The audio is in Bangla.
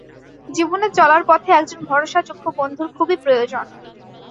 জীবনে চলার পথে একজন ভরসাযোগ্য বন্ধুর খুবই প্রয়োজন।